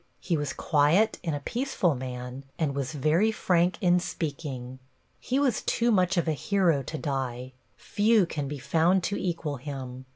He was quiet and a peaceful man and was very frank in speaking. He was too much of a hero to die; few call be found to equal him.